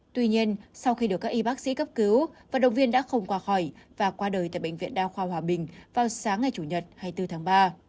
tuy nhiên sau khi được các y bác sĩ cấp cứu vận động viên đã không qua khỏi và qua đời tại bệnh viện đa khoa hòa bình vào sáng ngày chủ nhật hai mươi bốn tháng ba